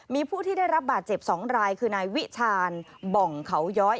มีผู้ที่ได้รับบาดเจ็บ๒รายคือนายวิชาณบ่องเขาย้อย